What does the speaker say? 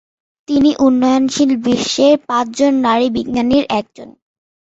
তিনি উন্নয়নশীল বিশ্বের পাঁচ জন নারী বিজ্ঞানীর একজন।